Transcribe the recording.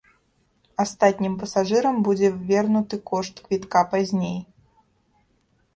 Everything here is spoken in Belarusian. Астатнім пасажырам будзе вернуты кошт квітка пазней.